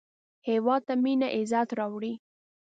هېواد ته مینه عزت راوړي